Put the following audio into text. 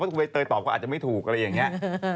เพราะว่าเวเตอร์ตอบก็อาจจะไม่ถูกอะไรอย่างนี้